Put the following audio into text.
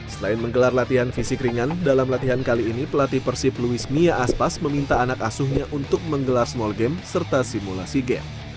selain menggelar latihan fisik ringan dalam latihan kali ini pelatih persib luis mia aspas meminta anak asuhnya untuk menggelar small game serta simulasi game